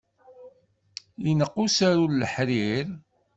Ineqq usaru n leḥrir?